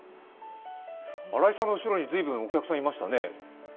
新井さんの後ろに随分お客さん、いましたね。